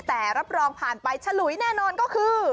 แต่รับรองผ่านไปฉลุยแน่นอนก็คือ